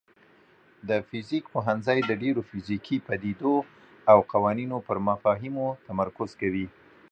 د فزیک پوهنځی د ډیرو فزیکي پدیدو او قوانینو پر مفاهیمو تمرکز کوي.